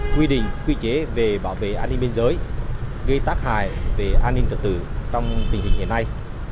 quy định quy chế về bảo vệ an ninh biên giới gây tác hại về an ninh trật tự trong tình hình hiện nay